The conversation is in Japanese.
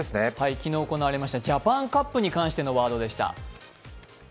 昨日行われましたジャパンカップに関してのワードでした。